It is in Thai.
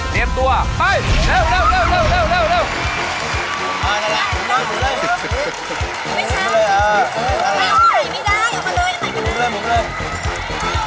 เรียนตัวไปเร็วเร็วเร็วเร็ว